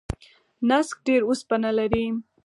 نسک ډیر اوسپنه لري.